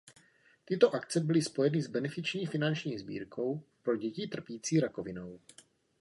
Tyto akce byly spojeny s benefiční finanční sbírkou pro děti trpící rakovinou.